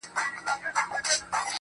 ستا خيال وفكر او يو څو خـــبـــري.